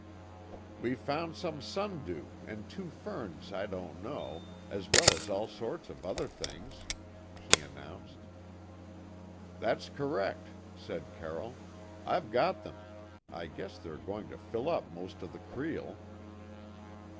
"We've found some sundew and two ferns I don't know, as well as all sorts of other things," she announced. "That's correct," said Carroll; "I've got them. I guess they're going to fill up most of the creel."